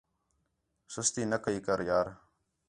سُستی نہ کَئی کر یار